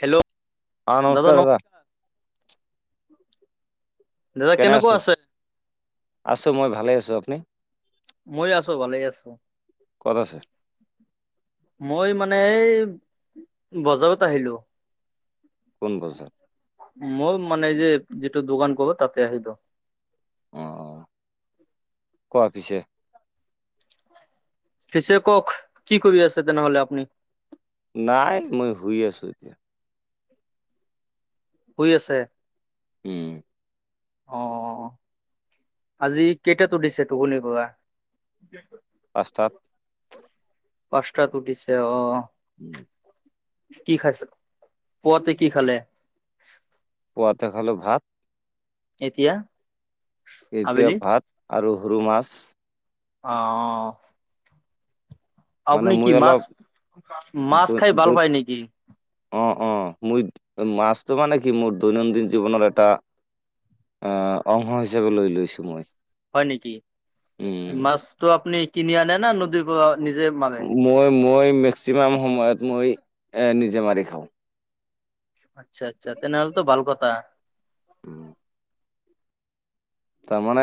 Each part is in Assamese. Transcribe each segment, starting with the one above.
হেল্লো' অ নমস্কাৰ দাদা দাদা কেনে কেনেকুৱা আছে আছো মই ভালে আছো। আপুনি? মই আছো ভালেই আছো। ক'ত আছে মই মানে এই বজাৰত আহিলো। কোন বজাত। মোৰ মানে এই যে যিটো দোকান কৰো তাতে আহিলো অ [inaudible] কোৱা পিছে পিছে কওক কি কৰি আছে তেনেহলে আপুনি? নাই মই শুই আছো এতিয়া শুই আছে? উম। অ আজি কেইটাত উঠিছে তুপনিৰ পৰা? পাঁচ টাত পাঁচটাত উঠিছে অ উম। কি খাইছে পুৱাতে কি খালে? পোৱাতে খালো ভাত এতিয়া? এতিয়া আবেলি ভাত আৰু সৰু মাছ। অ মানে আপুনি কি মই মাছ অলপ মাছ দু খাই ভাল দু পায় নেকি অ অ মই মাছটো মানে কি মোৰ দৈনন্দিন জীৱনৰ এটা আহ অংশ হিচাপে লৈ লৈছো মই। হয় নেকি? উম নিজে মাৰে? মই মই মেক্সিমাম সময়ত মই এ নিজে মাৰি খাওঁ। আচ্ছা আচ্ছা তেনেহ'লেতো ভাল কথা। উম। তাৰমানে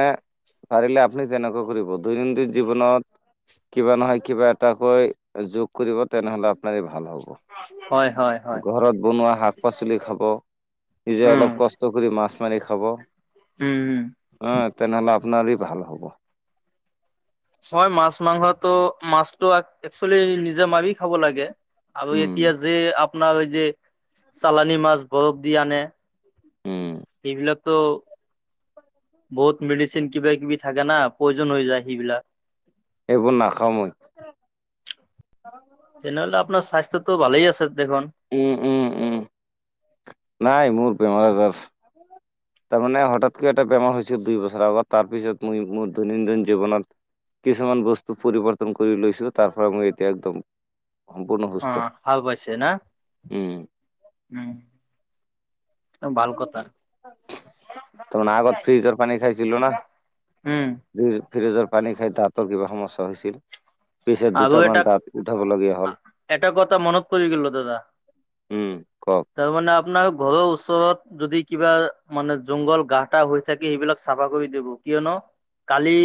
পাৰিলে আপুনি তেনেকুৱা কৰিব। দৈনন্দিন জীৱনত কিবা নহয় কিবা এটা কৈ যোগ কৰিব তেনেহলে আপোনাৰে ভাল হ'ব। অ ঘৰত বনোৱা শাক পাচলি খাব। নিজে উম অলপ কষ্ট কৰি মাছ মাৰি খাব। উম উম আহ তেনেহ'লে আপোনাৰে ভাল হ'ব। হয় মাছ মাংসটো মাছটো একচলি নিজে মাৰি খাব লাগে। আৰু উম এতিয়া যে আপোনাৰ এই যে চালানি মাছ বৰফ দি আনে উম এইবিলাকতো বহুত মেডিচিন কিবা কিবি থাকে না প্ৰয়জন হৈ যায় সেইবিলাক। এইবোৰ নাখাওঁ মই। তেনেহলে আপোনাৰ স্বাস্থ্যটো ভালেই আছে দেখোন। উম উম উম নাই মোৰ বেমাৰ আজাৰ। তাৰমানে হঠাৎকৈ এটা বেমাৰ হৈছিল দুই বছৰৰ আগত। তাৰপিছত মই মোৰ দৈনন্দিন জীৱনত কিছুমান বস্তু পৰিৱৰ্তন কৰি লৈছিলো। তাৰ ফৰা মই এতিয়া একদম সম্পূৰ্ণ অ সুস্থ ভাল পাইছে না উম উম। ভাল কথা। তাৰমানে আগত ফ্ৰিজৰ পানী উম। ফ্ৰীজৰ পানী খাই দাঁতৰ কিবা সমস্যা হৈছিল। পিছে আৰু দুটামান এটা দাঁত উঠাব লগীয়া হ'ল এটা কথা মনত পৰি গলো দাদা। উম কওক তাৰ মানে আপোনাৰ ঘৰৰ ওচৰত- যদি কিবা মানে জংঘল গাটা হৈ থাকে সেইবিলাক চাফা কৰি দিব কিয়নো- কালি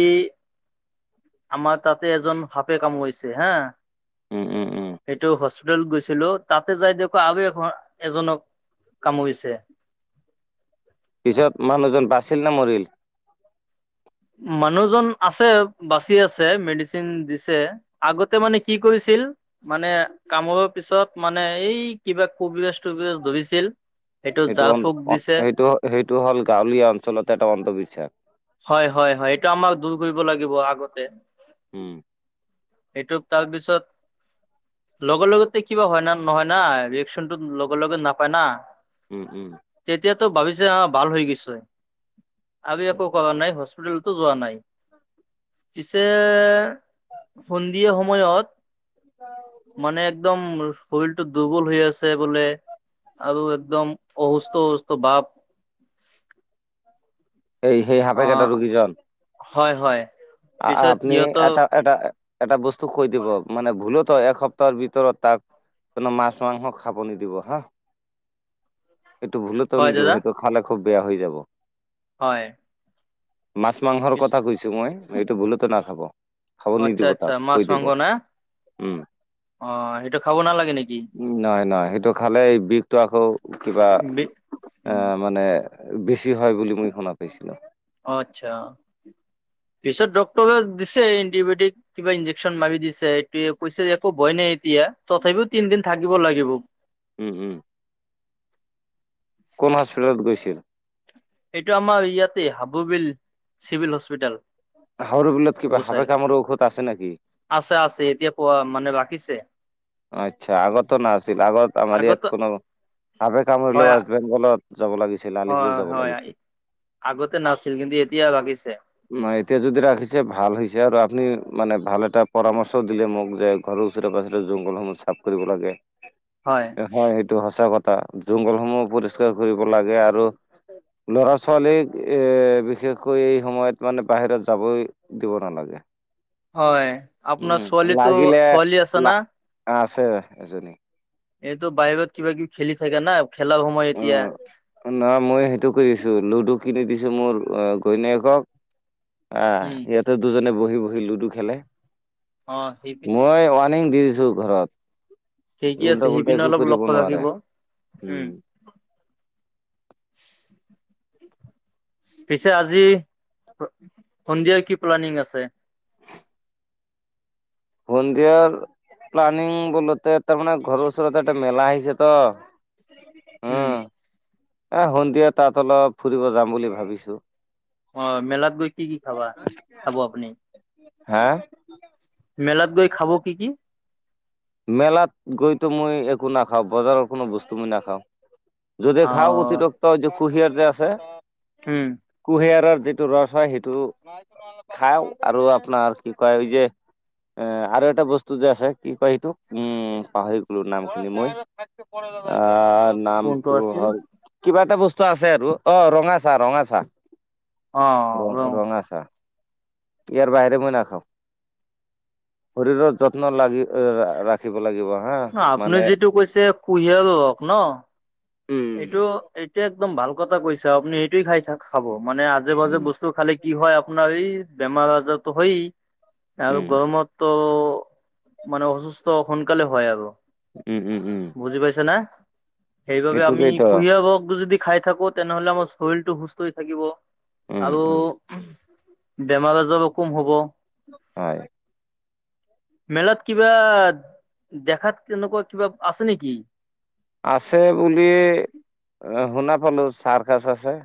আমাৰ তাতে এজন- সাপে কামুৰিছে হা উম উম উম সেইটোও সচ- হস্পিটেল গৈছিলো তাতে যাই দেখো আৰু এখন এজনক কামুৰিছে। [unintelligible] পিছত মানুহজন বাচিল নে মৰিল? মানুহজন আছে বাচি আছে মেডিচিন দিছে আগতে মানে কি কৰিছে- মানে কামৰ মানে পিছত মানে এই কিবা কুবলেছ থুবলেছ ধৰিছিল। এইটো সেইটো জাল ফুক দিছে সেইটো সেইটো হ'ল গাঁৱলীয়া অঞ্চলত এটা অন্ধবিশ্বাস। হয় হয় হয় এইটো আমাক দূৰ কৰিব লাগিব আগতে। উম। এইটো তাৰপিছত- লগৰ লগত কিবা হয় না নহয় না ৰিয়েকচনটো লগে লগে নাপায় না। উম উম। তেতিয়াতো ভাবিছে অ ভাল হৈ গৈছে। আমি একো কৰা নাই- হস্পিতলতো যোৱা নাই। পিছে- সন্ধিয়া সময়ত মানে একদম- শৰীৰটো দুৰ্বল হৈ আছে বোলে আৰু একদম অসুস্থ অসুস্থ ভাপ- [unintelligible] এই সেই সাপে কটা ৰোগীজন। হয় হয় পিছত আপনি সিহঁতৰ এটা এটা এটা বস্তু কৈ দিব মানে ভুলত- এসপ্তাহৰ ভিতৰত তাক কোনো মাছ মাংস খাব নিদিব হা। [unintelligible] এইটো ভুলটো হয় নিদিব দাদা সেইটো খালে খুব বেয়া হৈ যাব। হয়। মাছ মাংসৰ পিছ কথা কৈছো মই এইটো ভুলতো নাখাব খাব আচ্ছা নিদিব আচ্ছা তাক মাছ কৈ দিব। মাংস না উম অ সেই- উম নাই নাই সেইটো খালে বিষটো আকৌ কিবা- বি উম আহ মানে বেছি হয় বুলি মই শুনা পাইছিলো। অ আচ্ছা অ। পিছত ডক্তৰে দিছে এণ্টিবায়টিক কিবা ইনজেকশচন মাৰি দিছে এইটোৱে কৈছে যে একো ভয় নাই- এতিয়া তথাপিও তিনদিন থাকিব লাগিব। উম উম। কোন হস্পিটেলত গৈছিল? এইটো আমাৰ ইয়াতে হাবুবিল চিভিল হস্পিতেল। হাউৰ বিলত কিবা সাপে বুচাই কামোৰা ঔষধ আছে নেকি? আছে আছে এতিয়া পোৱা মানে ৰা- খিছে। আচ্ছা আগতে নাছিল আগত আমাৰ ইয়াত আগতে কোনো সাপে কামুৰিলো হয় ৱেষ্ট বেংগলত- যাব লাগিছিল আলিপুৰ হয় যাব হয় লাগিছিল। আগতে নাছিল কিন্তু এতিয়া লাগিছে। নাই, এতিয়া যদি ৰাখিছে ভাল হৈছে আৰু আপুনি মানে ভাল এটা পৰামৰ্শ দিলে মোক যে ঘৰৰ ওচৰে পাজৰে- জংঘলসমূহ চাফ কৰিব লাগে হয় সেইটো সঁচা কথা। জংঘলসমূহ পৰিষ্কাৰ কৰিব লাগে আৰু- লৰা ছোৱালীক এ বিশেষকৈ এই সময়ত মানে বাহিৰত যাবই দিব নালাগে। হ'য়, আপোনাৰ উম, ছোৱালীটো, লাগিলে ছোৱালী আছে লা না? আছে এজনী। এইটো বাহিৰত কিবা -কিবি খেলি থাকে না। খেলাৰ সময় অ, এতিয়া না মই সেইটো কৰি আছো, লুডু কিনি দিছো। এইটো মোৰ অঁ--ঘৈনিয়েকক, উম অঁ--ইহঁতে দুজনে ভোত সি বহি লুডু খেলে, অ সি মই ৱাৰণিং দি দিছো ঘৰত। ঠিকেই আছে। উল্টা পুল্টা সেইপিনে একো অলপ কৰিব লক্ষ্য নোৱাৰে ৰাখিব। উম চিইহ পিছে আজি, প-সন্ধিয়া কি প্লানিং আছে? সন্ধিয়াৰ। প্লানিং বোলোতে, তাৰমানে ঘৰৰ ওচৰতে এটা মেলা আহিছে ত'। ওঁহ অঁ, সন্ধিয়া তাত অলপ ফুৰিব যাম বুলি ভাবিছো। অ, মেলাত গৈ কি কি খাবা? খাব আপুনি? হাঁ মেলাত গৈ খাব কি কি? মেলাত গৈতো মই একো নাখাওঁ। বজাৰৰ কোনো বস্তু মই নাখাওঁ। যদি খাৱ অ', অতিৰিক্ত যে কুঁহিয়াৰ যে আছে, উম, কুঁহিয়াৰৰ। যিটো ৰস হয় সেইটো খাওঁ আৰু আপোনাৰ কি কয় এই যে এ আৰু এটা বস্তু যে আছে। কি কয় এইটোক? উম, পাহৰি গ'লো নাম খিনি মই। আঁহ কোনটো নামটো আছিল? হ'য়, কিবা এটা বস্তু আছে আৰু অঁ ৰঙা চাহ, ৰঙা চাহ। অ', ৰ্‌ ৰ' ৰঙা চাহ। ইয়াৰ বাহিৰে মই নাখাওঁ। শৰীৰৰ যত্ন লাগি আঁ আঁ ৰাখ খিব লাগিব। হা ন্‌ মানে আপোনাৰ যিটো কৈছে কুঁহিয়াৰ ৰস ন্‌। উম এইটো এতিয়া একদম ভাল কথা কৈছে। আপুনি এইটোৱে খাই থাক খাব মানে আজে উম -বাজে বস্তু খালে কি হ'য় আপোনাৰ এই বেমাৰ -আজাৰটো হ'য়েই আৰু উম গৰমতটো অঁ, মানুহ অসুস্থ সোনকালে হ'য় আৰু। উম উম উম বুজি পাইছা না? সেইবাবে আমি এইটোকেইতো কুহিয়া ৰসটো যদি খাই থাকো তেনেহ'লে আমাৰ শৰীৰটো সুস্থ হৈ থাকিব উম আৰু উম বেমাৰ- আজাৰো কম হ'ব। হয় মেলাত কিবা দেখাত তেনেকুৱা কিবা আছে নেকি? আছে বুলি অঁ শুনা পালো। চাৰ্কাছ আছে।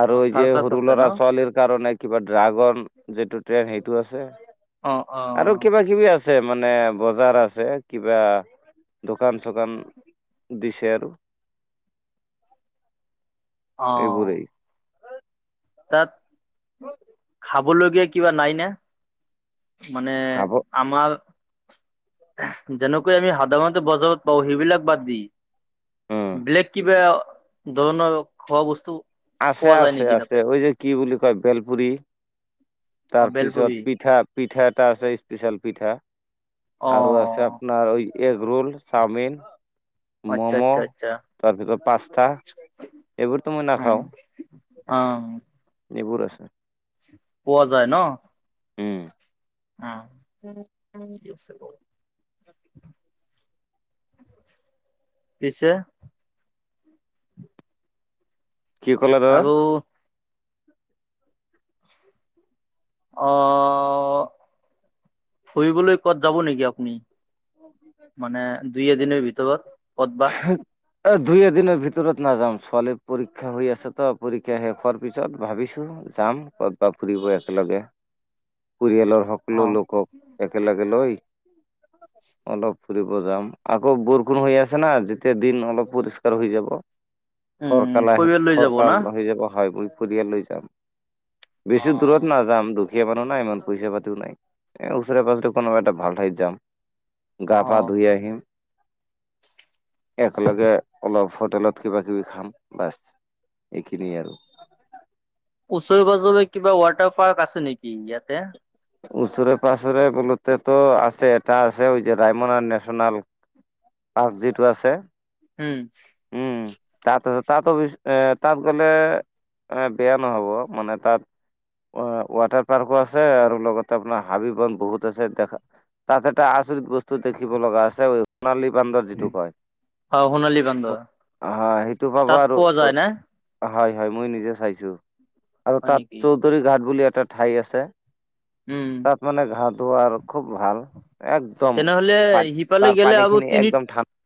আৰু অ এই যে চাৰ্কাছ সৰু আছে ন ল'ৰা -ছোৱালীৰ কাৰণে কিবা, ড্ৰাগন যিটো টেণ্ড সেইটো আছে। অ অ আৰু কিবা- কিবি আছে মানে বজাৰ আছে কিবা দোকান- চোকান দিছে আৰু। অ এইবোৰেই। তাত, খাবলগীয়া কিবা নাই না? মানে, খাব আমাৰ হেঁহ যেনেকৈ আমি সাধাৰণতে বজাৰত পাওঁ। সেইবিলাক বাদ দি, উম বেলেগ কিবা ধৰণৰ খোৱা বস্তু আছে, পোৱা যায় আছে, নেকি আছে, তাতে ঐ যে কি বুলি কয় বেলপুৰি। অ তাৰপিছত বেলপুৰি পিঠা, পিঠা এটা আছে স্পিচিয়েল পিঠা। অ আৰু আছে আপোনাৰ, ঐ এগ ৰোল চাওমিন। আচ্ছা আচ্ছা মমহ, আচ্ছা তাৰপিছত পাস্তা, এইবোৰটো মই নাখাওঁ। অঁ এইবোৰ আছে। পোৱা যায় ন? ওঁম। অ থিক আছে বাৱ পিছে কি কলা দাদা আৰু অ ফুৰিবলৈ কবাত যাব নেকি আপুনি মানে দুই এদিনৰ ভিতৰত ক'ত বা অ দুই এদিনৰ ভিতৰত নাযাম, ছোৱালীৰ পৰীক্ষা হৈ আছে তো পৰীক্ষা শেষ হোৱাৰ পিছত ভাবিছোঁ যাম কতবা ফুৰিব একেলগে [inaudible] পৰিয়ালৰ সকলো অ লোকক একেলগে লৈ অলপ ফুৰিব যাম। আকৌ বৰষুণ হৈ আছে না যেতিয়া দিন অলপ পৰিস্কাৰ হৈ যাব উম ফৰকাল আহিলে পৰিয়াল লৈ যাব ফৰকাল না হৈ যাব খায় বৈ শদিয়ালৈ যাম বেছি দূৰত নাযাম দু খীয়া মানুহ না ইমান পইচা পাতিও নাই। এ ওচৰে পাজৰে কোনোবা এটা ভাল ঠাইত যাম গা অ পা ধুই আহিম একেলগে অলপ হোটেলত কিবা কিবি খাম বচ এইখিনিয়ে আৰু ওচৰে পাজৰে কিবা ৱাটাৰ পাৰ্ক আছে নেকি ইয়াতে ওচৰে পাঁজৰে বোলোতে টো আছে এটা আছে যে ৰাইমনা নেচনেল পাৰ্ক যিটো আছে উম তাতো তাতো বেছ এ তাত গ'লে এ বেয়া নহ'ব মানে তাত অ ৱাটাৰ পাৰ্কো আছে আৰু লগতে আপোনাৰ হাবি বন বহুত আছে দেখা তাত এটা আচৰিত বস্তু দেখিব লগা আছে সোণালী বান্দৰ যিটো কয় অ সোণালী বান্দৰ আহ সেইটো পাব তাত আৰু পোৱা যায় না হয় হয় মই নিজে চাইছোঁ আৰু হয় তাত নেকি চৌধুৰী ঘাট বুলি এটা ঠাই আছে উম তাত মানে গা ধুওৱা আৰু খুব ভাল একদম তেনেহলে পান সিফালে তাৰ গেলে আৰু পানীখিনি তিনি একদম ঠাণ্ডা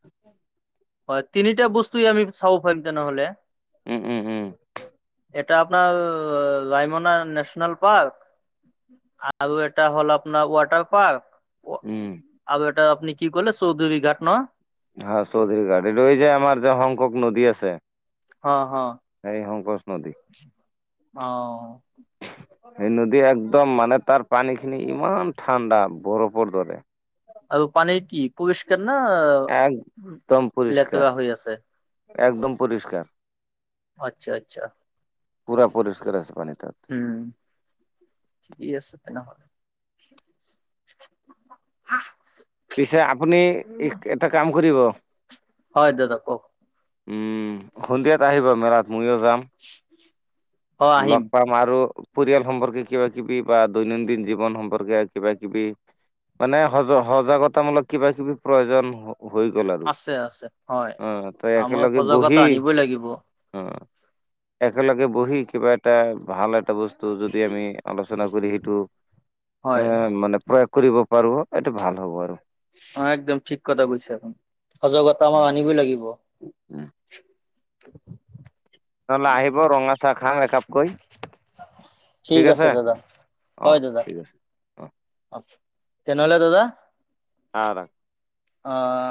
হয় তিনিটা বস্তুয়ে আমি চাব পাৰিম তেনেহলে উম উম উম এটা আপোনাৰ ৰায়মনা নেশ্যনেল পাৰ্ক আৰু এটা হ'ল আপোনাৰ ৱাটাৰ পাৰ্ক উম এ আপনি কি কৰিলে চৌধৰী ঘাট ন হা চৌধুৰী ঘাট এইটো ঐ যে আমাৰ য শংকক নদী আছে [unintelligible] হা হা এই শংকচ নদী অহ এই নদী একদম মানে তাৰ পানীখিনি ইমান ঠাণ্ডা বৰফৰ দৰে আৰু পানীৰ কি পৰিষ্কাৰ না এক একদম পৰিষ্কাৰ লেতেৰা হৈ আছে একদম পৰিষ্কাৰ আচ্ছা আচ্ছা পুৰা পৰিষ্কাৰ আছে পানী তাত উম ঠিকেই আছে তেনেহ'লে পিছে আপুনি এটা কাম কৰিব হয় দাদা কওক উম সন্ধিয়াত আহিব মেলাত ময়ো যাম অ লগ আহিম পাম আৰু পৰিয়াল সম্পৰ্কে কিবা কিবি বা দৈনন্দিন জীৱন সম্পৰ্কে কিবা কিবি মানে সজহ সজাগতামূলক কিবা কিবি প্ৰয়োজন হ হৈ গ'ল আৰু আছে আছে হয় অঁ তই আমাৰ একেলগে বহি সজাগতা আনিবই লাগিব অঁ [unintelligible] একেলগে বহি কিবা এটা ভাল এটা বস্তু যদি আমি আলোচনা কৰি সেইটো এ হয় মানে প্ৰয়াস কৰিব পাৰো [unintelligible] টো ভাল হ'ব আৰু [unintelligible] অ একদম ঠিক কথা কৈছা, এ সজাগতা আমাৰ আনিবই লাগিব। [inaudible] নহ'লে আহিব ৰঙা চাহ খাম একাপকৈ। [unintelligible] ঠিক আছে, অঁ হয় দাদা ঠিক আছে অঁ [unintelligible] তেনেহলে দাদা আ [unintelligible] অঁ!